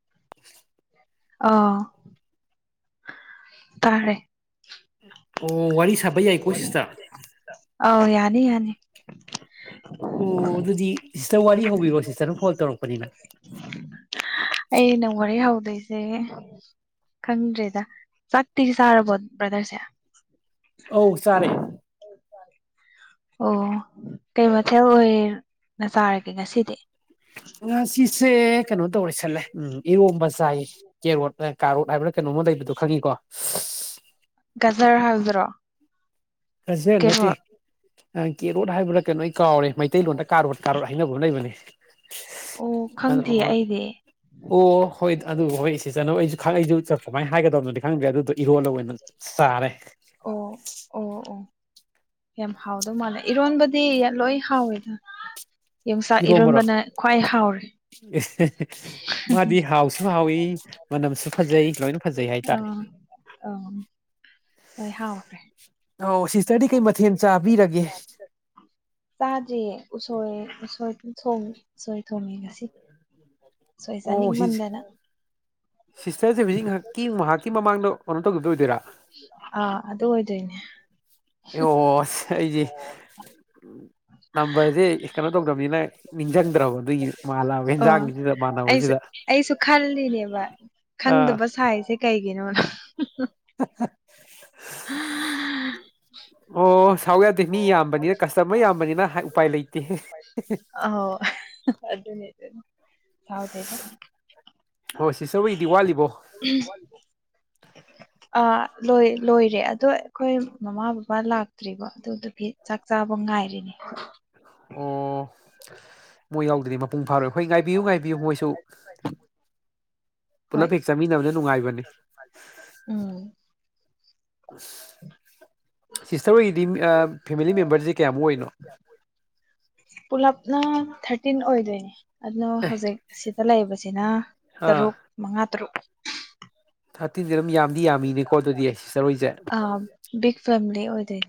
[unintelligible] ꯑꯣ꯫ ꯇꯥꯏ ꯑꯣ ꯋꯥꯔꯤ ꯁꯥꯕ ꯌꯥꯏꯀꯣ ꯁꯤꯁꯇꯔ ꯑꯥꯎ ꯌꯥꯅꯤ ꯌꯥꯅꯤ ꯑꯣ ꯑꯗꯨꯗꯤ ꯁꯤꯁꯇꯔ ꯋꯥꯔꯤ ꯍꯧꯕꯤꯔꯣ ꯁꯤꯁꯇꯔꯅ ꯐꯣꯟ ꯇꯧꯔꯛꯄꯅꯦ ꯑꯩꯅ ꯋꯥꯔꯤ ꯍꯧꯗꯣꯏꯖꯦ꯫ ꯈꯪꯗ꯭ꯔꯦꯗ ꯆꯥꯛꯇꯤ ꯆꯥꯔꯕꯣ ꯕ꯭ꯔꯗꯔꯁꯦ ꯑꯧ ꯆꯥꯔꯦ ꯑꯣ ꯀꯩ ꯃꯊꯦꯜ ꯑꯣꯏ ꯆꯥꯔꯒꯦ ꯉꯁꯤꯗꯤ ꯉꯥꯁꯤꯁꯦ ꯀꯩꯅꯣ ꯇꯧꯔꯦ ꯁꯜꯂꯦ ꯎꯝ ꯏꯔꯣꯝꯕ ꯆꯥꯏꯌꯦ ꯀꯦꯔꯣꯠ ꯀꯥꯔꯣꯠ ꯍꯥꯏꯕꯔꯥ ꯀꯩꯅꯣꯝꯃ ꯂꯩꯕꯗꯣ ꯈꯪꯉꯤꯀꯣ ꯒꯖꯔ ꯍꯥꯏꯕꯗꯨꯔꫭ ꯒꯖꯔ ꯅꯠꯇꯦ ꯑꯪ ꯀꯦꯔꯣꯠ ꯍꯥꯏꯕ꯭ꯔꯥ ꯀꯩꯅꯣ ꯑꯩ ꯀꯥꯎꯔꯦ ꯃꯩꯇꯩꯂꯣꯟꯗ ꯀꯥꯔꯣꯠ ꯀꯥꯔꯣꯠ ꯍꯥꯏꯅꯕ ꯑꯃ ꯂꯩꯕꯅꯤ꯫ ꯑꯣ ꯈꯪꯗꯦ ꯑꯩꯗꯤ [unintelligible] ꯑꯣ ꯍꯣꯏ ꯑꯗꯨ ꯍꯣꯏ ꯁꯤꯁꯇꯔꯅ ꯑꯩꯖꯨ ꯑꯩꯖꯨ ꯁꯨꯃꯥꯏꯅ ꯍꯥꯏꯒꯗꯕꯅꯣꯗꯤ ꯈꯪꯗ꯭ꯔꯦ ꯑꯗꯨꯗꯣ ꯏꯔꯣꯜꯍꯩꯋꯦ ꯆꯥꯔꯦ ꯑꯣ ꯑꯣ ꯌꯥꯝ ꯍꯥꯎꯗꯧ ꯃꯥꯜꯂꯦ ꯏꯔꯣꯟꯕꯗꯤ ꯂꯣꯏ ꯍꯥꯎꯋꯦꯗꯥ ꯌꯣꯡꯆꯥꯛ ꯏꯔꯣꯝꯕꯔꯣ ꯏꯔꯣꯜꯕꯅ ꯈ꯭ꯋꯥꯏ ꯍꯥꯎꯔꯦ ꯃꯥꯗꯤ ꯍꯥꯎꯁꯨ ꯍꯥꯎꯋꯤ ꯃꯅꯝꯁꯨ ꯐꯖꯩ ꯂꯣꯏꯅ ꯐꯖꯩ ꯍꯥꯏꯇꯥꯔꯦ ꯑꯥꯎ ꯂꯣꯏ ꯍꯥꯎꯋꯦ ꯑꯣ ꯁꯤꯁꯇꯔꯗꯤ ꯀꯩ ꯃꯊꯦꯜ ꯆꯥꯕꯤꯔꯒꯦ ꯆꯥꯗꯔꯤꯌꯦ ꯎꯁꯣꯏ ꯎꯁꯣꯏ ꯎꯁꯣꯏ ꯊꯣꯡꯉꯦ ꯉꯁꯤ ꯑꯣ ꯁꯤ ꯆꯥꯅꯤꯡꯃꯟꯗꯥꯅꯥ ꯁꯤꯁꯇꯔꯁꯦ ꯍꯧꯖꯤꯛ ꯉꯥꯏꯍꯥꯛꯀꯤ ꯉꯍꯥꯛꯀꯤ ꯃꯃꯥꯡꯗ ꯀꯩꯅꯣ ꯇꯧꯒꯤꯕꯗꯣ ꯑꯣꯏꯗꯣꯏꯔꯥ ꯑꯥ ꯑꯗꯨ ꯑꯣꯏꯗꯣꯏꯅꯦ ꯑꯦ ꯑꯁ ꯑꯩꯁꯦ ꯅꯝꯕꯔꯁꯦ ꯀꯩꯅꯣ ꯇꯧꯗꯕꯅꯤꯅ ꯅꯤꯡꯁꯤꯡꯗ꯭ꯔꯕ ꯑꯗꯨꯏ ꯃꯥꯂꯛꯑꯕꯥ ꯑꯣ ꯌꯦꯟꯖꯥꯡꯒꯤꯁꯤꯗ ꯑꯩꯁꯨ ꯃꯥꯟꯅꯕꯁꯤꯗ ꯑꯩꯁꯨ ꯈꯜꯂꯤꯅꯦꯕ ꯑꯥ ꯈꯪꯗꯕ ꯁꯥꯏꯁꯦ ꯀꯩꯒꯤꯅꯣꯅ ꯑꯣ ꯁꯥꯎ ꯌꯥꯗꯦ ꯃꯤ ꯌꯥꯝꯕꯅꯤꯅ ꯀꯁꯇꯃꯔ ꯌꯥꯝꯕꯅꯤꯅ ꯎꯄꯥꯏ ꯂꯩꯇꯦ ꯑꯥꯎ ꯑꯗꯨꯅꯦ ꯑꯗꯨꯅꯦ ꯁꯥꯎꯗꯦꯗ ꯍꯣꯏ ꯁꯤꯁꯇꯔ ꯍꯣꯏꯒꯤꯗꯤ ꯋꯥꯠꯂꯤꯕꯣ [unintelligible] ꯑꯥ ꯂꯣꯏ ꯂꯣꯏꯔꯦ ꯑꯗꯣ ꯑꯩꯈꯣꯏ ꯃꯃꯥ ꯕꯕꯥ ꯂꯥꯛꯇ꯭ꯔꯤꯕꯥ ꯑꯗꯨꯗꯨꯒꯤ ꯆꯥꯛ ꯆꯥꯕ ꯉꯥꯏꯔꯤꯅꯦ ꯑꯣ ꯃꯣꯏ ꯌꯥꯎꯗꯗꯤ ꯃꯄꯨꯡ ꯐꯥꯔꯣꯏ ꯑꯩꯣꯏ ꯉꯥꯏꯕꯤꯌꯨ ꯉꯥꯏꯕꯤꯌꯨ ꯃꯣꯏꯁꯨ ꯍꯣꯏ ꯄꯨꯜꯂꯞ ꯍꯦꯛ ꯆꯥꯃꯤꯟꯅꯕꯅ ꯅꯨꯡꯉꯥꯏꯕꯅꯤ ꯎꯝ ꯁꯤꯁꯇꯔ ꯑꯣꯏꯗꯤ ꯐꯦꯃꯤꯂꯤ ꯃꯦꯝꯕꯔꯁꯦ ꯀꯌꯥꯃꯨꯛ ꯑꯣꯏꯔꯤꯅꯣ ꯄꯨꯂꯞꯅ ꯊꯥꯔꯇꯤꯟ ꯑꯣꯏꯗꯣꯏꯅꯦ ꯑꯗꯣ ꯑꯦ ꯍꯧꯖꯤꯛ ꯑꯁꯤꯗ ꯂꯩꯕꯁꯤꯅ ꯑꯥ ꯇꯔꯨꯛ ꯃꯉꯥ ꯇꯔꯨꯛ ꯊꯥꯔꯇꯤꯟꯁꯦ ꯑꯗꯨꯝ ꯌꯥꯝꯗꯤ ꯌꯥꯝꯃꯤꯅꯦꯀꯣ ꯑꯗꯨꯗꯤ ꯑꯩ ꯁꯤ ꯆꯔꯣꯏꯁꯦ ꯑ ꯕꯤꯛ ꯐꯦꯃꯤꯂꯤ ꯑꯣꯏꯗꯣꯏ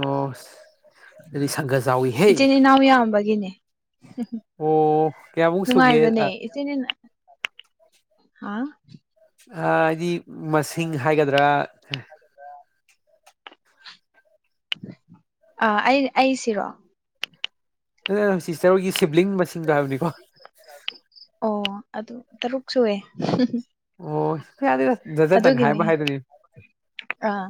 ꯑꯣ ꯑꯗꯨꯁꯒ ꯆꯥꯎꯏꯍꯦ ꯏꯆꯤꯟ ꯏꯅꯥꯎ ꯌꯥꯝꯕꯒꯤꯅꯦ ꯑꯣ ꯀꯌꯥꯃꯨꯛ ꯁꯨꯒꯦ ꯅꯨꯡꯉꯥꯏꯕꯅꯦ ꯍꯥ ꯍꯥꯏꯗꯤ ꯃꯁꯤꯡ ꯍꯥꯏꯒꯗ꯭ꯔꯥ ꯑ ꯑꯩ ꯑꯩꯁꯤꯔꯣ ꯁꯤꯁꯇꯔꯒꯤ ꯁꯤꯕ꯭ꯂꯤꯡ ꯃꯁꯤꯡ ꯑꯣ ꯑꯗꯨ ꯇꯔꯨꯛ ꯁꯨꯑꯦ ꯑꯣ ꯌꯥ ꯌꯥꯗ ꯖꯖꯇꯪ ꯑꯗꯨꯒꯤꯅꯦ ꯍꯥꯏꯕ ꯍꯥꯏꯗꯨꯅꯤ ꯑꯥ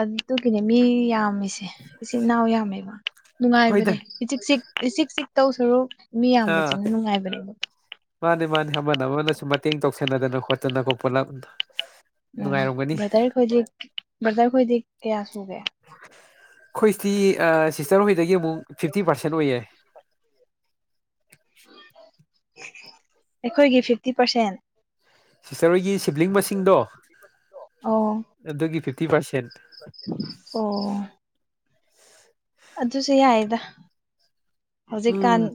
ꯑꯗꯨꯒꯤꯅꯦ ꯃꯤ ꯌꯥꯝꯃꯤꯅꯦ ꯏꯆꯤꯟꯜ ꯏꯅꯥꯎ ꯌꯥꯝꯃꯦꯕ ꯅꯨꯡꯉꯥꯏꯕꯅꯦ ꯍꯣꯏꯗ ꯏꯆꯤꯛ ꯆꯤꯛ ꯏꯆꯤꯛ ꯆꯤꯛ ꯇꯧ ꯁꯔꯨꯛ ꯃꯤꯌꯥꯝꯕꯁꯤꯅ ꯅꯨꯡꯉꯥꯏꯕꯅꯦꯕ ꯃꯥꯅꯤ ꯃꯥꯅꯤ ꯑꯃꯅ ꯑꯃꯅꯁꯨ ꯃꯇꯦꯡ ꯇꯧꯁꯟꯅꯗꯅ ꯈꯣꯠꯇꯅ ꯈꯣ ꯄꯨꯣꯠꯂꯞ ꯎꯝ ꯕ꯭ꯔꯗꯔ ꯈꯣꯏꯗꯤ ꯕ꯭ꯔꯗꯔ ꯈꯣꯏꯗꯤ ꯀꯌꯥ ꯁꯨꯒꯦ ꯑꯩꯈꯣꯏꯁꯤ ꯁꯤꯁꯇꯔ ꯍꯣꯏꯗꯒꯤ ꯑꯃꯨꯛ ꯐꯤꯐꯇꯤ ꯄꯥꯔꯁꯦꯟ ꯑꯣꯏꯌꯦ ꯑꯩꯈꯣꯏꯒꯤ ꯐꯤꯐꯇꯤ ꯄꯥꯔꯁꯦꯟ ꯁꯤꯁꯇꯔ ꯍꯣꯏꯒꯤ ꯁꯤꯕ꯭ꯂꯤꯡ ꯃꯁꯤꯡꯗꯣ ꯑꯣ ꯑꯗꯨꯒꯤ ꯐꯤꯐꯇꯤ ꯄꯥꯔꯁꯦꯟ ꯑꯣ ꯑꯗꯨꯁꯨ ꯌꯥꯏꯗ ꯍꯧꯖꯤꯛꯀꯥꯟ ꯎꯝ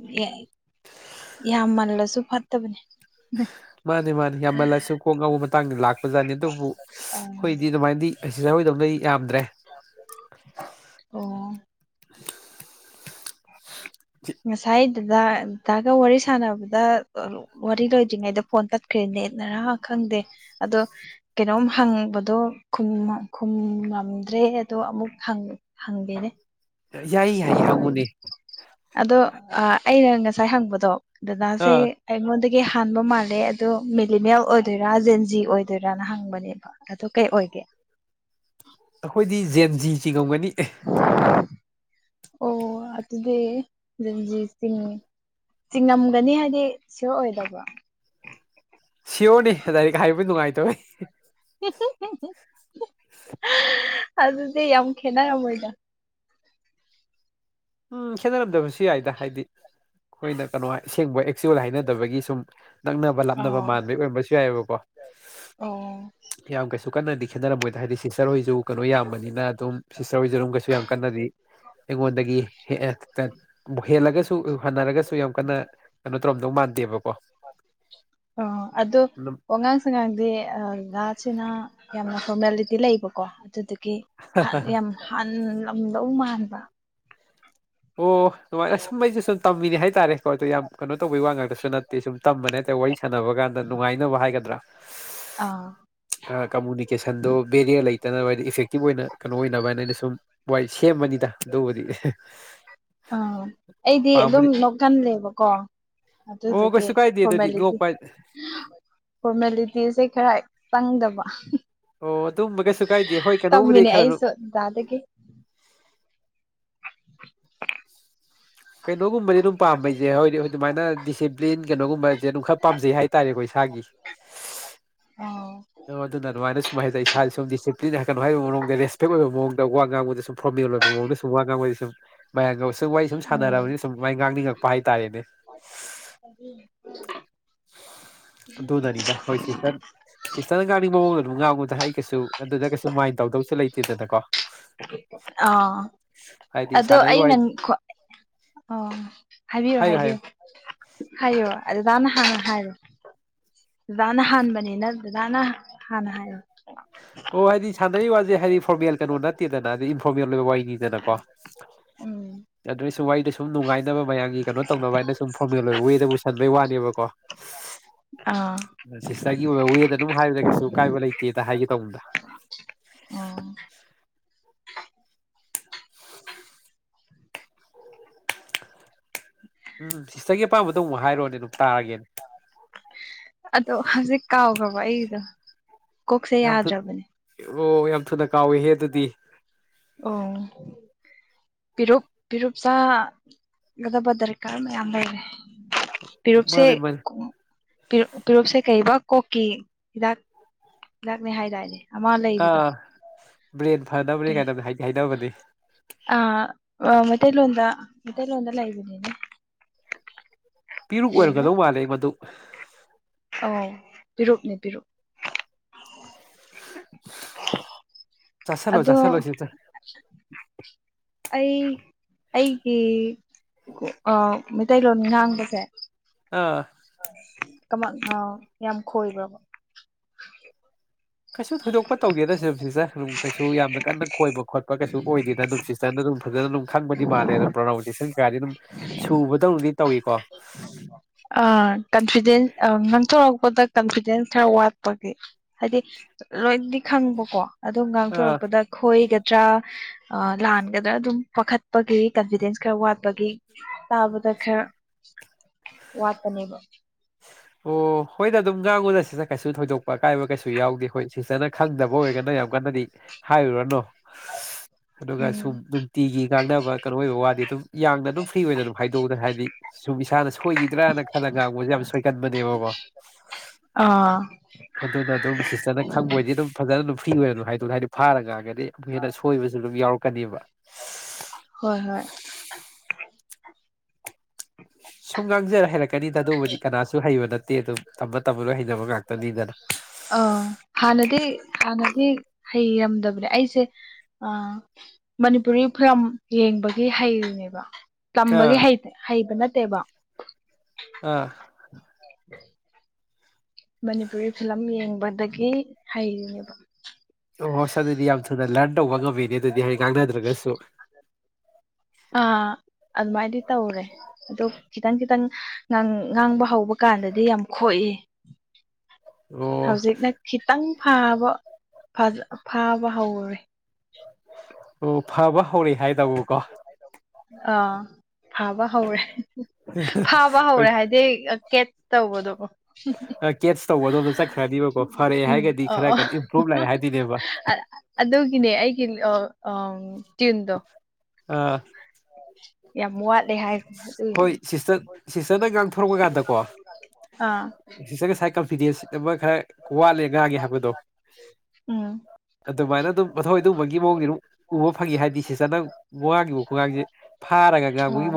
ꯌꯥꯝꯃꯜꯂꯁꯨ ꯐꯠꯇꯕꯅꯤ ꯃꯥꯅꯤ ꯃꯥꯅꯤ ꯌꯥꯝꯃꯜꯂꯁꯨ ꯀꯣꯛ ꯉꯧꯕ ꯃꯇꯥꯡꯗ ꯂꯥꯛꯄꯖꯥꯠꯅꯤ ꯑꯗꯨꯕꯨ ꯍꯈꯣꯏꯗꯤ ꯑꯣ ꯑꯗꯨꯃꯥꯏꯅꯗꯤ ꯑꯁꯤꯗ ꯑꯩꯔꯣꯏꯗꯧꯗꯤ ꯌꯥꯝꯗ꯭ꯔꯦ ꯑꯣ ꯉꯁꯥꯏꯗꯥꯒ ꯋꯥꯔꯤ ꯁꯥꯟꯅꯕꯗ ꯋꯥꯔꯤ ꯂꯣꯏꯗ꯭ꯔꯤꯉꯩꯗ ꯐꯣꯟ ꯇꯠꯈ꯭ꯔꯦꯅꯦ ꯅꯔꯥ ꯈꯪꯗꯦ ꯑꯗꯣ ꯀꯩꯅꯣꯝ ꯍꯪꯕꯗꯣ ꯈꯨꯝꯃꯝꯗ꯭ꯔꯦ ꯑꯗꯣ ꯑꯃꯨꯛ ꯍꯪꯉꯦ ꯍꯪꯦꯅꯦ ꯌꯥꯏ-ꯌꯥꯏ ꯍꯪꯉꯨꯅꯦ ꯑꯗꯣ ꯑꯩꯅ ꯉꯁꯥꯏ ꯍꯪꯕꯗꯣ ꯗꯥꯗꯥꯁꯦ ꯑꯥ ꯑꯩꯉꯣꯟꯗꯒꯤ ꯍꯥꯟꯕ ꯃꯥꯜꯂꯦ ꯑꯗꯣ ꯃꯦꯂꯤꯃꯦꯜ ꯑꯣꯏꯗꯣꯏꯔꯥ ꯖꯦꯟꯖꯤ ꯑꯣꯏꯗꯣꯏꯔꯥꯅ ꯍꯪꯕꯅꯦꯕ ꯑꯗꯨ ꯀꯩ ꯑꯣꯏꯒꯦ ꯑꯩꯈꯣꯏꯗꯤ ꯖꯦꯟ ꯖꯤꯁꯤ ꯉꯝꯒꯅꯤ ꯑꯦ ꯑꯣ ꯑꯗꯨ ꯑꯗꯨꯗꯤ ꯔꯟꯖꯤꯠ ꯁꯤꯡꯅꯤ ꯆꯤꯡꯉꯝꯒꯅꯤ ꯍꯥꯏꯗꯤ ꯁꯤꯌ ꯑꯣꯏꯗꯧꯕ ꯁꯤꯌꯣꯔꯅꯤ ꯂꯗꯥꯥꯏꯔꯤꯛ ꯍꯥꯏꯕꯕꯨꯗꯤ ꯅꯨꯡꯉꯥꯏꯇꯧꯋꯦ ꯑꯗꯨꯗꯤ ꯌꯥꯝ ꯈꯦꯠꯅꯔꯝꯃꯣꯏꯗ ꯎꯝ ꯈꯦꯠꯅꯔꯝꯗꯕꯁꯨ ꯌꯥꯏꯗ ꯍꯥꯏꯗꯤ ꯑꯩꯈꯣꯏꯅ ꯀꯩꯅꯣ ꯑꯁꯦꯡꯕ ꯑꯦꯛꯆꯨꯋꯦꯜ ꯍꯥꯏꯅꯗꯕꯒꯤ ꯁꯨꯝ ꯅꯛꯅꯕ ꯑ ꯂꯥꯞꯅꯕ ꯃꯥꯟꯕꯒꯤ ꯑꯣꯏꯔꯝꯕꯁꯨ ꯌꯥꯏꯑꯕꯀꯣ ꯑꯣ ꯌꯥꯝ ꯀꯩꯁꯨ ꯀꯟꯅꯗꯤ ꯈꯦꯠꯅꯔꯝꯃꯣꯏꯗꯣ ꯍꯥꯏꯗꯤ ꯁꯤꯁꯇꯔ ꯍꯣꯏꯁꯨ ꯀꯩꯅꯣ ꯌꯥꯝꯕꯅꯤꯅ ꯑꯗꯨꯝ ꯁꯤꯁꯇꯔ ꯑꯣꯏꯖꯔꯝꯒꯁꯨ ꯌꯥꯝ ꯀꯟꯅꯗꯤ ꯑꯩꯉꯣꯟꯗꯒꯤ ꯍꯦ ꯍꯦ ꯂꯒꯦ ꯁꯨ ꯍꯅꯔꯒꯁꯨ ꯌꯥꯝ ꯀꯟꯅ ꯀꯩꯅꯣ ꯇꯧꯔꯝꯗꯧ ꯃꯥꯟꯗꯦꯕꯀꯣ [inaudible] ꯑꯣ ꯑꯗꯣ ꯑꯗꯨꯝ ꯑꯒꯥꯡꯗꯤ ꯉꯥꯁꯤꯅ ꯌꯥꯝꯅ ꯐꯣꯔꯃꯦꯂꯤꯇꯤ ꯂꯩꯕꯀꯣ ꯑꯗꯨꯗꯤ ꯌꯥꯝ ꯍꯥꯟꯂꯝꯗꯧ ꯃꯥꯟꯕ ꯑꯣ ꯑꯗꯨꯃꯥꯏꯅ ꯁꯨꯝ ꯑꯩꯁꯦ ꯁꯨꯝ ꯇꯝꯃꯤꯅꯦ ꯍꯥꯏꯇꯥꯔꯦꯀꯣ ꯑꯗꯣ ꯌꯥꯝ ꯀꯩꯅꯣ ꯇꯧꯕꯒꯤ ꯋꯥ ꯉꯥꯛꯇꯁꯨ ꯅꯦ ꯁꯨꯝ ꯇꯝꯕꯅꯦ ꯍꯥꯏꯇꯥꯔꯦ ꯋꯥꯔꯤꯦ ꯁꯥꯟꯅꯕ ꯀꯥꯟꯗ ꯅꯨꯡꯉꯥꯏꯅꯕ ꯍꯥꯏꯒꯗ꯭ꯔꯥ ꯑꯥ ꯀꯝꯃꯨꯅꯤꯀꯦꯁꯟꯗꯣ ꯕꯦꯔꯤꯌꯔ ꯂꯩꯇꯅꯕ ꯍꯥꯏꯗꯤ ꯏꯐꯦꯛꯇꯤꯞ ꯑꯣꯏꯅ ꯀꯩꯅꯣ ꯑꯣꯏꯅꯕ ꯍꯥꯏꯅ ꯑꯩꯅ ꯁꯨꯝ ꯍꯣꯏ ꯁꯦꯝꯃꯅꯤꯗ ꯑꯗꯨꯕꯨꯗꯤ ꯑꯥ ꯑꯩꯗꯤ ꯑꯗꯨꯝ ꯑꯄꯥꯝꯕꯗꯤ ꯅꯣꯛꯀꯜꯂꯦꯕꯀꯣ ꯑꯗꯨ ꯑꯣ ꯑꯗꯨꯗꯒꯤ ꯀꯩꯁꯨ ꯀꯥꯏꯗꯦ ꯑꯗꯨꯗꯤ ꯐꯣꯔꯃꯦꯂꯤꯇꯤ ꯅꯣꯛꯄ ꯐꯣꯔꯃꯦꯂꯤꯇꯤꯁꯦ ꯈꯔ ꯆꯪꯗꯕ ꯑꯣ ꯑꯗꯨꯝꯕ ꯀꯩꯁꯨ ꯀꯥꯏꯗꯦ ꯍꯣꯏ ꯀꯩꯅꯣꯕꯨꯗꯤ ꯈꯔ ꯗꯥꯗꯤ ꯀꯩꯅꯣꯒꯨꯝꯕꯗꯤ ꯑꯗꯨꯝ ꯄꯥꯝꯕꯩꯁꯦ ꯍꯧꯣꯏꯗꯤ ꯑꯗꯨꯃꯥꯏꯅ ꯗꯤꯁꯤꯄ꯭ꯂꯤꯟ ꯀꯩꯅꯣꯒꯨꯝꯕꯁꯦ ꯑꯗꯨꯝ ꯈꯔ ꯄꯥꯝꯖꯩ ꯍꯥꯏꯇꯥꯔꯦꯀꯣ ꯏꯁꯥꯒꯤ ꯑꯧ ꯑ ꯑꯗꯨꯅ ꯑꯗꯨꯃꯥꯏꯅ ꯁꯨꯝ ꯍꯥꯏꯇꯥꯔꯦ ꯏꯁꯥꯥꯁ ꯁꯨꯝ ꯗꯤꯁꯤꯄ꯭ꯂꯤꯟ ꯍꯥꯏꯀꯠꯅꯨꯡ ꯍꯥꯏꯕ ꯃꯑꯣꯡꯗ ꯔꯦꯁꯄꯦꯛ ꯑꯣꯏꯕ ꯃꯑꯣꯡꯗ ꯋꯥ ꯉꯥꯡꯕꯗ ꯁꯨꯝ ꯄ꯭ꯔꯝꯃꯤꯅ ꯁꯨꯝꯉꯥꯡꯕꯗꯤ ꯁꯨꯝ ꯃꯌꯥꯡꯒ ꯁꯨꯝ ꯋꯥꯔꯤ ꯁꯨꯝ ꯎꯝ ꯁꯅꯔꯥꯅꯤ ꯁꯨꯝ ꯃꯥꯏ ꯉꯥꯡꯅꯤꯡꯉꯛꯄ ꯍꯥꯏꯇꯥꯔꯦꯅꯦ [inaudible] ꯑꯗꯨꯗꯅꯤꯗ ꯍꯣꯏꯁꯤ ꯆ ꯁꯤꯁꯇꯔꯅ ꯉꯥꯡꯅꯤꯡꯕ ꯃꯑꯣꯡꯗ ꯑꯗꯨꯝ ꯉꯥꯡꯉꯨꯗ ꯑꯩ ꯀꯩꯁꯨ ꯑꯗꯨꯗ ꯀꯩꯁꯨ ꯃꯥꯏꯟ ꯇꯧꯗꯧꯁꯨ ꯂꯩꯇꯦꯗꯅꯀꯣ [unintelligible] ꯑ ꯍꯥꯏꯗꯤ ꯑꯗꯣ ꯁꯥꯟꯅꯩ ꯑꯩ ꯋꯥ ꯅ ꯑꯣ ꯍꯥꯏꯕꯤꯌꯣ ꯍꯥꯏꯌꯨ ꯍꯥꯏꯕꯤꯌꯨ ꯍꯥꯏꯌꯨ ꯍꯥꯏꯌꯣ ꯗꯥꯗꯥꯅ ꯍꯥꯟꯅ ꯍꯥꯏꯌꯣ ꯖꯥꯅ ꯍꯥꯟꯕꯅꯤꯅ ꯖꯥꯅ ꯍꯥꯟꯅ ꯍꯥꯏꯌ ꯑꯣ ꯍꯥꯏꯗꯤ ꯁꯥꯟꯅꯔꯤ ꯋꯥꯁꯦ ꯍꯥꯏꯗꯤ ꯐꯣꯔꯃꯦꯜ ꯀꯩꯅꯣ ꯅꯠꯇꯦꯗꯅ ꯍꯥꯏꯗꯤ ꯏꯟꯐꯣꯔꯃꯦꯜ ꯑꯣꯏꯕ ꯋꯥꯅꯤꯗꯅꯀꯣ ꯎꯝ꯫ ꯑꯗꯨꯏ ꯁꯨꯝ ꯋꯥꯔꯤꯗ ꯁꯨꯝ ꯅꯨꯡꯉꯥꯏꯅꯕ ꯃꯌꯥꯝꯒꯤ ꯀꯩꯅꯣ ꯇꯧꯅꯕ ꯍꯥꯏꯅ ꯁꯨꯝ ꯐꯣꯔꯃꯦꯜ ꯑꯣꯏꯕ ꯋꯦꯗ ꯄꯨꯁꯟꯕꯩ ꯋꯥꯅꯦꯕꯀꯣ꯫ ꯑꯥ꯫ ꯁꯤꯁꯇꯔꯒꯤ ꯑꯣꯏꯕ ꯋꯦꯗ ꯑꯗꯨꯝ ꯍꯥꯏꯕꯗ ꯀꯩꯁꯨ ꯀꯥꯏꯕ ꯂꯩꯇꯦꯗ ꯍꯥꯏꯒꯦ ꯇꯧꯕꯅꯤꯗ꯫ ꯑꯣ꯫ ꯎꯝ ꯁꯤꯁꯇꯔꯒꯤ ꯑꯄꯥꯝꯕꯗꯣ ꯑꯃꯨꯛ ꯍꯥꯏꯔꯣꯅꯦ ꯑꯗꯨꯝ ꯇꯥꯔꯒꯦꯅꯦ꯫ ꯑꯗꯣ ꯍꯧꯖꯤꯛ ꯀꯥꯎꯈ꯭ꯔꯕ ꯑꯩꯗꯣ꯫ ꯌꯥꯝ ꯊꯨ ꯑꯣ ꯌꯥꯝ ꯊꯨꯅ ꯀꯥꯎꯋꯦꯍꯦ ꯑꯗꯨꯗꯤ꯫ ꯑꯣ꯫ ꯄꯤꯔꯨꯞ ꯄꯤꯔꯨꯞ ꯆꯥ ꯒꯗꯕ ꯗꯔꯀꯥꯔ ꯃꯌꯥꯝ ꯂꯩꯔꯦ꯫ ꯄꯤꯔꯨꯞꯁꯦ ꯃꯥꯅꯦ ꯃꯥꯅꯦ ꯄꯤꯔꯨꯞꯁꯦ ꯀꯩꯕꯥ ꯀꯣꯛꯀꯤ ꯍꯤꯗꯥꯛ ꯗꯥꯛꯅꯦ ꯍꯥꯏꯗꯥꯏꯅꯦ꯫ ꯑꯃ ꯑꯥ ꯂꯩꯕꯗꯣ ꯕ꯭ꯔꯦꯟ ꯐꯅꯕꯅꯦ ꯀꯥꯏꯗꯅꯦꯗꯤ ꯍꯥꯏꯅꯕꯅꯤ꯫ ꯑ ꯃꯇꯩ ꯂꫭꯟꯗꯥ ꯃꯩꯇꯩ ꯂꯣꯟꯗ ꯂꯩꯕꯅꯤꯅꯦ꯫ [inaudible] ꯄꯤꯔꯨꯛ ꯑꯣꯏꯔꯒꯗꯧ ꯃꯥꯜꯂꯦ ꯃꯗꯨ꯫ ꯑꯥꯎ ꯄꯤꯔꯨꯨꯞꯅꯦ ꯄꯤꯔꯨꯨꯞ꯫ ꯆꯥꯁꯜꯂꯣ ꯑꯗꯣ ꯆꯥꯁꯜꯂꯣ ꯁꯤꯁꯇꯔ ꯑꯩ ꯑꯩꯒꯤ ꯑ ꯃꯩꯇꯩꯂꯣꯟ ꯉꯥꯡꯕꯁꯦ ꯑꯥ꯫ ꯀꯃ ꯑꯥꯎ ꯌꯥꯝ ꯈꯣꯏꯕ꯭ꯔꯕ꯫ ꯀꯩꯁꯨ ꯊꯣꯏꯗꯣꯛꯄ ꯇꯧꯗꯦꯗ ꯁꯨꯝ ꯁꯤꯁꯠ ꯑꯗꯨꯝ ꯀꯩꯁꯨ ꯌꯥꯝꯅ ꯀꯟꯅ ꯈꯣꯏꯕ ꯈꯣꯠꯄ ꯀꯩꯁꯨ ꯑꯣꯏꯗꯦꯗ ꯅꯨꯡꯁꯤꯠ ꯐꯖꯅ ꯑꯗꯨꯝ ꯐꯖꯅ ꯑꯗꯨꯝ ꯈꯪꯕꯗꯤ ꯃꯥꯜꯂꯦ ꯑꯗꯨꯝ ꯄ꯭ꯔꯣꯅꯥꯎꯟꯁꯦꯁꯟ ꯀꯩꯥꯗꯤ ꯑꯗꯨꯝ ꯁꯨꯕꯗꯧꯅꯗꯤ ꯇꯧꯏꯀꯣ꯫ ꯑ ꯀꯟꯐꯤꯗꯦꯟꯁ ꯑ ꯉꯥꯡꯊꯣꯔꯛꯄꯗ ꯀꯟꯐꯤꯗꯦꯟꯁ ꯈꯔ ꯋꯥꯠꯄꯒꯤ꯫ ꯍꯥꯏꯗꯤ ꯂꯣꯏꯅꯗꯤ ꯈꯪꯕꯀꯣ ꯑꯗꯣ ꯑꯥ ꯉꯥꯡꯊꯣꯔꯛꯄꯗ ꯈꯣꯏꯒꯗ꯭ꯔꯥ ꯑ ꯂꯥꯟꯒꯗ꯭ꯔꯥ ꯑꯗꯨꯝ ꯄꯥꯈꯠꯄꯒꯤ ꯀꯟꯐꯤꯗꯦꯟꯁ ꯈꯔ ꯋꯥꯠꯄꯒꯤ ꯇꯥꯕꯗ ꯈꯔ ꯋꯥꯠꯄꯅꯦꯕ꯫ ꯑꯣ ꯍꯣꯏꯗ ꯑꯗꯨꯝ ꯉꯥꯡꯉꯨꯗ ꯁꯤꯅ ꯀꯩꯁꯨ ꯊꯣꯏꯗꯣꯛꯄ ꯑꯀꯥꯏꯕ ꯀꯩꯁꯨ ꯌꯥꯎꯗꯦ ꯍꯣꯏ ꯁꯤꯁꯆꯅ ꯈꯪꯗꯕ ꯑꯣꯏꯔꯒꯅ ꯌꯥꯝ ꯀꯟꯅꯗꯤ ꯍꯥꯏꯔꯨꯔꯅꯨ ꯑꯗꯨꯒ ꯎꯝ ꯁꯨꯝ ꯅꯨꯡꯇꯤꯒꯤ ꯌꯉꯥꯡꯅꯕ ꯀꯩꯅꯣ ꯑꯣꯏꯕ ꯋꯥꯗꯤ ꯑꯗꯨꯝ ꯌꯥꯡꯅ ꯑꯗꯨꯝ ꯐ꯭ꯔꯤ ꯑꯣꯏꯗ ꯑꯗꯨꯝ ꯍꯥꯏꯗꯧꯅ ꯍꯥꯏꯗꯤ ꯁꯨꯝ ꯏꯁꯥꯅ ꯁꯣꯏꯈꯤꯗ꯭ꯔꯅ ꯈꯜꯂ ꯉꯥꯡꯕꯁꯤ ꯌꯥꯝ ꯁꯣꯏ꯫ ꯑꯥ꯫ ꯑꯗꯨꯅ ꯑꯗꯨꯝ ꯁꯤꯁꯇꯔꯅ ꯈꯪꯕꯣꯏꯗꯤ ꯑꯗꯨꯝ ꯐꯖꯅ ꯑꯗꯨꯝ ꯐ꯭ꯔꯤ ꯑꯣꯏꯅꯗꯨꯝ ꯍꯥꯏꯗꫭ ꯍꯥꯏꯗꯤ ꯐꯥꯔ ꯉꯥꯡꯒ ꯗꯤ ꯑꯃꯨꯛ ꯍꯦꯟꯅ ꯁꯣꯏꯕꯁꯨ ꯑꯗꯨꯝ ꯌꯥꯎꯔꯛꯀꯅꯤꯕ꯫ ꯍꯣꯏ ꯍꯣꯏ꯫ ꯁꯨꯝ ꯉꯥꯡꯖꯔ ꯍꯩꯔꯛꯀꯅꯤꯗ ꯑꯗꯨꯕꯨꯗꯤ ꯀꯅꯥꯁꯨ ꯍꯩꯕ ꯅꯠꯇꯦ ꯑꯗꯨꯝ ꯇꯝꯕ ꯇꯝꯕ ꯂꯣꯏ ꯍꯩꯩꯅꯕ ꯉꯥꯛꯇꯅꯤꯗꯅ꯫ ꯑꯥ ꯍꯥꯟꯅꯗꯤ ꯍꯥꯟꯅꯗꯤ ꯍꯩꯔꯝꯗꯕꯅꯦ ꯑꯩꯁꯦ ꯑ ꯃꯅꯤꯄꯨꯔꯤ ꯐꯤꯂꯝ ꯌꯦꯡꯕꯒꯤ ꯍꯩꯔꯤꯅꯦꯕ꯫ ꯇꯝꯕꯒꯤ ꯑꯥ ꯍꯩꯇ ꯍꯩꯕ ꯅꯠꯇꯦꯕ꯫ ꯑꯥ꯫ [unintelligible] ꯃꯅꯤꯄꯨꯔꯤ ꯐꯤꯂꯝ ꯌꯦꯡꯕꯗꯒꯤ ꯍꯩꯔꯤꯅꯦꯕ꯫ ꯑꯣꯁ ꯑꯗꯨꯗꯤ ꯌꯥꯝ ꯊꯨꯅ ꯂꯔꯟ ꯇꯧꯕ ꯉꯝꯃꯤꯅꯦ ꯑꯗꯨꯗꯤ ꯍꯗꯤ ꯉꯥꯡꯅꯗ꯭ꯔꯒꯁꯨ꯫ [inaudible] ꯑꯥ ꯑꯗꯨꯃꯥꯏꯗꯤ ꯇꯧꯔꯦ꯫ ꯑꯗꯣ ꯈꯤꯇꯪ-ꯈꯤꯇꯪ ꯉꯪ ꯉꯥꯡꯕ ꯍꯧꯕ ꯀꯥꯟꯗꯗꯤ ꯌꯥꯝ ꯈꯣꯏꯌꯦ꯫ ꯑꯣ ꯍꯧꯖꯤꯛꯅ ꯈꯤꯇꯪ ꯐꯕ ꯐꯥꯕ ꯍꯧꯔꯦ꯫ ꯑꯣ ꯐꯕ ꯍꯧꯔꯦ ꯍꯥꯏꯗꯧꯕꯀꯣ꯫ ꯑꯥ ꯐꯕ ꯍꯧꯔꯦ ꯐꯥꯕ ꯍꯧꯔꯦ ꯍꯥꯏꯗꯤ ꯀꯠ ꯇꯕꯣꯗꯧꯕ ꯑ ꯀꯦꯠꯁ ꯇꯧꯕꯗꯣꯝꯗ ꯆꯠꯈ꯭ꯔꯅꯤꯕꯀꯣ ꯐꯔꯛꯑꯦ ꯎꯝ ꯍꯥꯏꯔꯒꯗꯤ ꯑ ꯈꯔ ꯀꯩꯅꯣ ꯏꯝꯄ꯭ꯔꯨꯚ ꯂꯥꯛꯑꯦ ꯍꯥꯏꯗꯣꯏꯅꯦꯕ ꯑ ꯑꯗꯨꯒꯤꯅꯦ ꯑꯩꯒꯤ ꯑꯥ ꯌꯥꯝ ꯃꯣꯜ ꯍꯣꯏ ꯁꯤꯁꯇꯔ ꯁꯤꯁꯇꯔꯅ ꯉꯥꯡꯊꯣꯔꯛꯄ ꯀꯥꯟꯗꯀꯣ ꯑꯥ ꯁꯤ ꯁꯥꯏꯠ ꯀꯟꯐꯤꯗꯦꯟꯁ ꯑꯃ ꯈꯔ ꯋꯥꯠꯂꯦ ꯉꯥꯒꯤꯦ ꯍꯥꯏꯕꯗꯣ ꯎꯝ ꯑꯗꯨꯃꯥꯏꯅ ꯑꯗꯨꯝ ꯃꯊꯧ ꯑꯗꯨꯝꯕꯒꯤ ꯃꯑꯣꯡꯗꯤ ꯑꯗꯨꯝ ꯎꯕ ꯐꯪꯉꯤ ꯍꯥꯏꯗꯤ ꯁꯤ ꯆꯅꯪ ꯋꯥꯥꯡꯈꯤꯕ ꯈꯨꯒꯥꯡꯁꯦ ꯐꯔꯒꯒꯕꯨ ꯎꯝ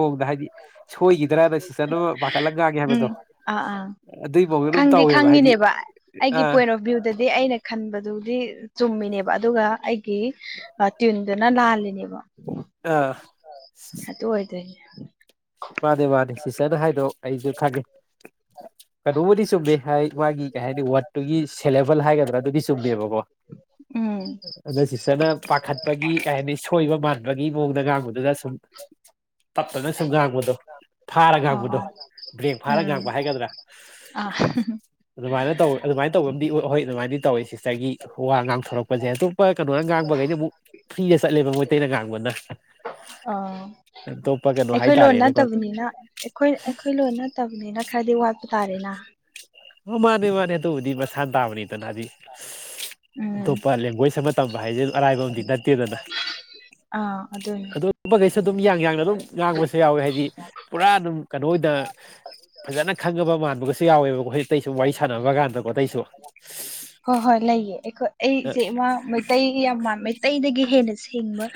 ꯄꯥꯈꯠꯂ ꯉꯥꯡꯉꯦ ꯎꯝ ꯍꯥꯏꯕꯗꯣ ꯑꯥ ꯑꯥ ꯑꯗꯨꯏ ꯃꯑꯣꯡꯗ ꯑꯗꯨꯝ ꯈꯪꯗꯤꯦ ꯇꯧꯋꯦꯕ ꯍꯥꯏꯗꯤ ꯈꯪꯉꯤꯅꯦꯕ ꯑꯩꯒꯤ ꯑꯥ ꯄꯣꯏꯔꯣ ꯚꯌꯨꯗꯗꯤ ꯑꯩꯅ ꯈꯟꯕꯗꯨꯗꯤ ꯆꯨꯝꯃꯤꯅꯦꯕ ꯑꯗꯨꯒ ꯇꯤꯗꯨꯅ ꯂꯥꯜꯂꯤꯦꯅꯦꯕꯣ ꯑꯥ ꯍ ꯇ ꯑꯣꯏꯣꯏ ꯇ ꯃꯥꯅꯦ ꯃꯥꯅꯦ ꯁꯤꯁꯇꯔꯗ ꯍꯥꯏꯗꯣꯛꯑꯣ ꯑꯩꯁꯨ ꯊꯥꯒꯦ ꯔꯨꯕꯗꯤꯁꯨꯕꯦ ꯃꯥꯒꯤ ꯀꯩ ꯍꯥꯏꯅꯤ ꯋꯥꯔꯗꯠꯇꯨꯒꯤ ꯁꯦꯂꯦꯕꯜ ꯍꯥꯏꯒꯗ꯭ꯔꯥ ꯑꯗꯨꯗꯤ ꯆꯨꯝꯃꯦꯕꯀꯣ ꯎꯝ ꯑꯗ ꯁꯤꯁꯇꯔꯅ ꯄꯥꯈꯠꯄꯒꯤ ꯀꯩ ꯍꯥꯏꯅꯤ ꯁꯣꯏꯕ ꯃꯥꯟꯕꯒꯤ ꯃꯑꯣꯡꯗ ꯉꯥꯡꯕꯗꯨꯅ ꯁꯨꯝ ꯇꯄꯗ ꯁꯨꯝ ꯉꯥꯡꯕꯗꯣ ꯐꯥꯔ ꯉꯥꯡꯕꯗꯣ ꯑꯣ ꯕ꯭ꯔꯦꯡ ꯐꯥꯔ ꯎꯝ ꯉꯥꯡꯕ ꯍꯥꯏꯒꯗ꯭ꯔꯥ ꯑꯥ ꯑꯗꯨꯃꯥꯏꯅ ꯇꯧꯋꯤ ꯑꯗꯨꯃꯥꯏꯅ ꯇꯧꯕ ꯑꯃꯗꯤ ꯍꯣꯏ ꯑꯗꯨꯃꯥꯏꯅꯗꯤ ꯇꯧꯋꯤ ꯁꯤꯁꯇꯔꯒꯤ ꯋꯥ ꯉꯥꯡꯊꯣꯔꯛꯄ ꯄꯁꯦ ꯑꯇꯣꯞꯄ ꯀꯩꯅꯣꯅ ꯉꯥꯡꯕꯈꯩꯗꯤ ꯑꯃꯨꯛ ꯐ꯭ꯔꯤꯗ ꯆꯠꯂꯦꯕ ꯃꯩꯇꯩꯅ ꯉꯥꯡꯕꯅ ꯇꯣꯄ ꯀꯦ ꯑꯗꯨꯣ ꯍꯥꯏ ꯑꯩꯈ ꯂꯣꯟ ꯅꯠꯇꯕꯅꯤꯅ ꯑꯩꯈꯣꯏ ꯑꯩꯈꯣꯏ ꯂꯣꯟ ꯅꯠꯇꯕꯅꯤꯅ ꯈꯔꯗꯤ ꯋꯥꯠꯄ ꯇꯥꯔꯦꯅ ꯑꯣ ꯃꯥꯅꯦ ꯃꯥꯅꯦ ꯑꯗꯨꯕꯨꯗꯤ ꯃꯁꯥꯅ ꯇꯥꯕꯅꯤꯗꯅ ꯍꯧꯖꯤꯛ ꯎꯝ ꯑꯇꯣꯞꯄ ꯂꯦꯡꯒ꯭ꯋꯦꯖ ꯑꯃ ꯇꯝꯕ ꯍꯥꯏꯁꯦ ꯑꯔꯥꯏꯕ ꯑ ꯅꯠꯇꯦꯗꯅ ꯑꯥ ꯑꯗꯨꯅꯦ ꯕꯈꯩꯁꯨ ꯑꯗꯨꯝ ꯌꯥꯡ ꯌꯥꯡꯅ ꯑꯗꯨꯝ ꯉꯥꯡꯕꯁꯨ ꯌꯥꯎꯏꯦ ꯍꯥꯏꯗꯤ ꯄꯨꯔꯥ ꯑꯗꯨꯝ ꯀꯩꯅꯣ ꯑꯣꯏꯗ ꯐꯖꯅ ꯈꯪꯉꯕ ꯃꯥꯟꯕꯒꯁꯨ ꯌꯥꯎꯋꯦꯕꯀꯣ ꯍꯧꯖꯤꯛꯇꯩꯁꯨ ꯋꯥꯔꯤ ꯁꯥꯟꯅꯕ ꯀꯥꯟꯗꯀꯣ ꯑꯇꯩꯁꯨ ꯍꯣꯏ ꯍꯣꯏ ꯂꯩꯌꯦ ꯑꯩꯈꯣꯏ ꯑꯩꯁꯦ ꯏꯃ ꯃꯩꯇꯩ ꯌꯥꯝꯥꯟ ꯃꯩꯇꯩꯗꯒꯤ ꯍꯦꯟꯅ ꯁꯦꯡꯕ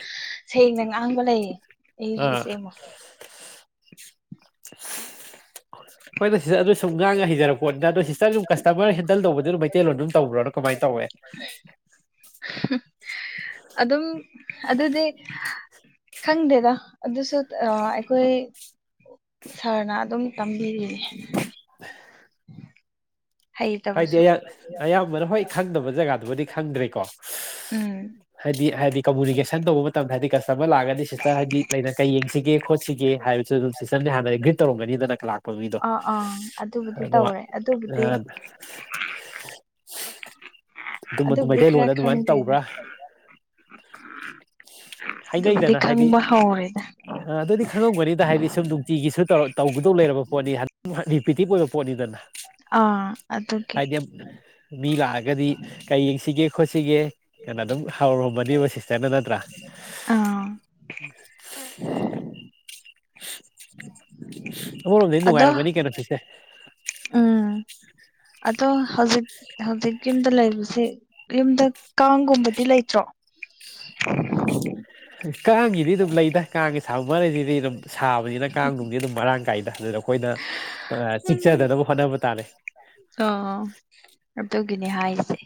ꯁꯦꯡꯅ ꯉꯥꯡꯕ ꯂꯩꯌꯦ ꯑꯩꯒꯤ ꯑꯥ ꯏꯆꯦ ꯑꯃ ꯍꯣꯏ ꯅ ꯁꯤꯇꯔ ꯑꯗꯨ ꯁꯨꯝ ꯉꯥꯡꯉ ꯍꯩꯖꯔꯛꯄꯅꯤꯅ ꯑꯗꯣ ꯁꯤꯁꯇꯔ ꯁꯨꯝ ꯀꯁꯇꯃꯔ ꯍꯦꯟꯗꯜ ꯇꯧꯕꯗꯨ ꯑꯗꯨꯅ ꯃꯩꯇꯩꯂꯣꯟ ꯑꯗꯨꯝ ꯇꯧꯕ꯭ꯔꯣꯅ ꯀꯃꯥꯏ ꯇꯧꯋꯦ ꯑꯗꯨꯝ ꯑꯗꯨꯗꯤ ꯈꯪꯗꯦꯗ ꯑꯗꯨꯁꯨ ꯑꯩꯈꯣꯏ ꯁꯥꯔꯅ ꯑꯗꯨꯝ ꯇꯝꯕꯤꯔꯤꯅꯦ [unintelligible] ꯍꯥꯏꯗꯤ ꯍꯩꯇꯕꯁꯨ ꯑ ꯑꯌꯥꯝꯕꯅ ꯍꯣꯏ ꯈꯪꯗꯕ ꯖꯒꯥꯗꯨꯕꯨꯗꯤ ꯈꯪꯗ꯭ꯔꯦꯀꯣ ꯎꯝ ꯍꯥꯏꯗꯤ ꯍꯥꯏꯗꯤ ꯀꯃꯨꯅꯤꯀꯦꯁꯟ ꯇꯧꯕ ꯃꯇꯝꯗ ꯍꯥꯏꯗꯤ ꯀꯁꯇꯃꯔ ꯂꯥꯛꯑꯒꯅꯤ ꯁꯤꯁꯇꯔ ꯍꯥꯏꯗꯤ ꯂꯩꯅ ꯀꯩ ꯌꯦꯡꯁꯤꯒꯦ ꯈꯣꯠꯁꯤꯒꯦ ꯍꯥꯏꯕꯁꯨ ꯑꯗꯨꯝ ꯁꯤꯁꯇꯝꯅꯦ ꯍꯥꯟꯅ ꯒꯔꯤꯠ ꯇꯧꯔꯝꯒꯅꯤꯗꯅ ꯀ꯭ꯂ ꯂꯥꯛ ꯄꯕꯤꯗꯣ ꯑꯥ ꯑꯥ ꯑꯗꯨꯕꯨꯗꯤ ꯑꯗꯨ ꯇꯧꯔꯦ ꯑ ꯑꯗꯨꯕꯨꯗꯤ ꯑꯗꯨꯝ ꯑꯗꯨꯕꯨꯗꯤ ꯈꯔ ꯃꯩꯇꯩꯂꯣꯟꯗ ꯑꯗꯨꯃꯥꯏꯅ ꯈꯪꯗ꯭ꯔꯦꯗ ꯇꯧꯕ꯭ꯔꯥ ꯑꯗꯨꯕꯨꯗꯤ ꯈꯪꯕ ꯍꯧꯔꯦꯗ ꯑ ꯑꯗꯨꯗꯤ ꯈꯪꯉꯝꯒꯅꯤꯗ ꯍꯥꯏꯗꯤ ꯁꯨꯝ ꯅꯨꯡꯇꯤꯒꯤꯁꯨ ꯇꯧ ꯇꯧꯒꯗꯧ ꯂꯩꯔꯕ ꯄꯣꯠꯅꯤ ꯔꯤꯄꯤꯇꯤꯞ ꯑꯣꯏꯕ ꯄꯣꯠꯅꯤꯗꯅ ꯑꯥ ꯑꯀꯦ ꯍꯥꯏꯗꯤ ꯃꯤ ꯂꯥꯛꯑꯒꯗꯤ ꯀꯩ ꯌꯦꯡꯁꯤꯒꯦ ꯈꯣꯠꯁꯤꯒꯦ ꯀꯩꯅꯣ ꯑꯗꯨꯝ ꯍꯥꯎꯔꯔꯨꯝꯕꯅꯦꯕ ꯁꯤꯁꯇꯔꯅ ꯅꯠꯇ꯭ꯔꯥ ꯑꯥ ꯑ ꯅ ꯑꯗꯣ ꯅꯅꯨꯡꯉꯥꯏꯔ ꯃꯅꯤ ꯀꯩꯅꯣ ꯊꯤꯁꯦ ꯎꯝ ꯑꯗꯣ ꯍꯧꯖꯤꯛ ꯍꯧꯖꯤꯛ ꯌꯨꯝꯗ ꯂꯩꯕꯁꯦ ꯌꯨꯝꯗ ꯀꯥꯡꯒꯨꯝꯕꯗꯤ ꯂꯩꯇ꯭ꯔꯣ ꯀꯥꯡꯁꯤꯗꯤ ꯑꯗꯨꯝ ꯂꯩꯗ ꯀꯥꯡꯒꯤ ꯁꯥꯕ ꯃꯔꯩꯁꯤꯗꯤ ꯑꯗꯨꯝ ꯁꯥꯕꯅꯤꯅ ꯀꯥꯡꯗꯨꯅꯨꯡꯗꯤ ꯑꯗꯨꯝ ꯃꯔꯥꯡ ꯀꯥꯏꯗꯅ ꯑꯗꯨ ꯑꯩꯈꯣꯏꯅ ꯆꯤꯛꯆꯗꯅꯕ ꯍꯣꯠꯅꯕ ꯇꯥꯔꯦ ꯑꯣ ꯑꯗꯨ ꯇꯒꯤꯅꯦ ꯍꯥꯏꯁꯦ